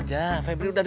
di dapur ya mak